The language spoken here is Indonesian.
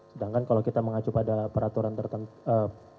sedangkan kalau kita mengacu pada peraturan tertentu